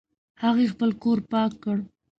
هغې خپل کور پاک کړ